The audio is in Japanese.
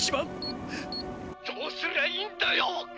「どうすりゃいいんだよ！」。